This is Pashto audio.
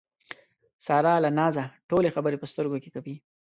ساره له نازه ټولې خبرې په سترګو کې کوي.